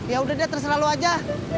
ya udah deh terserah lo aja